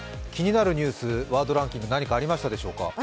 気になるニュース、ワードランキング、何かありましたか？